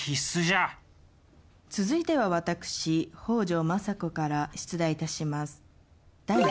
続いては私北条政子から出題致します。